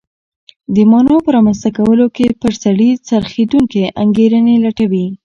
د مانا په رامنځته کولو کې پر سړي څرخېدونکې انګېرنې لټوي.